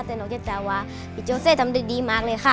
แต่น้องเจ้าเจ้าว่าพี่โจเซทำดึกดีมากเลยค่ะ